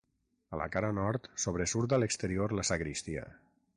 A la cara nord sobresurt a l'exterior la sagristia.